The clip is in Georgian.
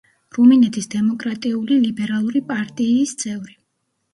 რუმინეთის დემოკრატიული ლიბერალური პარტიიის წევრი.